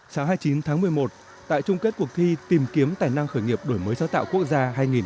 sáng hai mươi chín tháng một mươi một tại trung kết cuộc thi tìm kiếm tài năng khởi nghiệp đổi mới sáng tạo quốc gia hai nghìn hai mươi